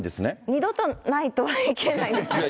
二度とないとは言い切れないですけれども。